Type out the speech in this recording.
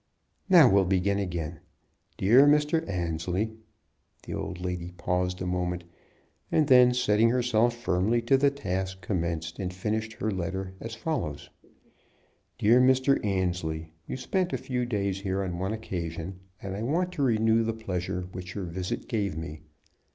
Now we'll begin again. 'Dear Mr. Annesley '" The old lady paused a moment, and then, setting herself firmly to the task, commenced and finished her letter, as follows: "Dear Mr. Annesley, You spent a few days here on one occasion, and I want to renew the pleasure which your visit gave me.